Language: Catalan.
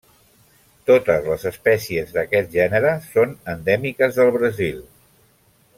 Totes les espècies d'aquest gènere són endèmiques del Brasil.